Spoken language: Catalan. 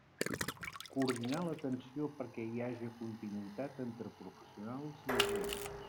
Coordinar l'atenció perquè hi haja continuïtat entre professionals i agents.